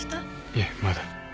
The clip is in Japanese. いえまだ。